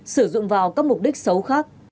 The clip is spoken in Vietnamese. sử dụng vào các mục đích xấu khác